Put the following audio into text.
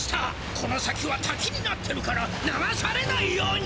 この先はたきになってるから流されないように。